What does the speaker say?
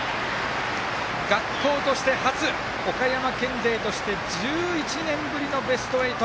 学校として初岡山県勢として１１年ぶりのベスト８。